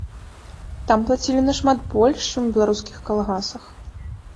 Там плацілі нашмат больш, чым у беларускіх калгасах.